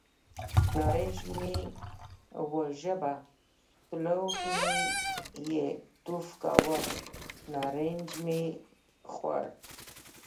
نارنج مې وژبه، تلوف مې یې توف کاوه، نارنج مې خوړ.